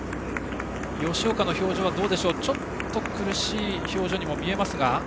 吉岡の表情はちょっと苦しい表情にも見えますが。